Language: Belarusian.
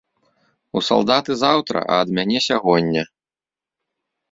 У салдаты заўтра, а ад мяне сягоння.